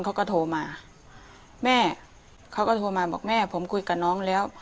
ผมโทรมามาบอกแม่ผมคุยกับน้องแล้ว